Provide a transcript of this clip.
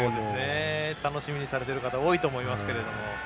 楽しみにされている方多いと思いますけど。